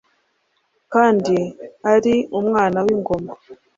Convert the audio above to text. kandi ari umwana w’ingoma.